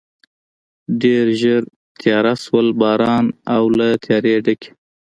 ډېر ژر تېاره شول، باران او له تیارې ډکې.